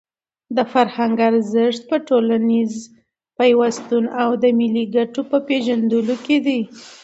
د فرهنګ ارزښت په ټولنیز پیوستون او د ملي ګټو په پېژندلو کې دی.